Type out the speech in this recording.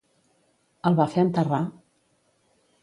El va fer enterrar?